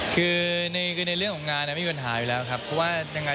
คือในเรื่องของของงานไม่เป็นปัญหานะครับเพราะว่า